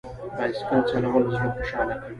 بایسکل چلول زړه خوشحاله کوي.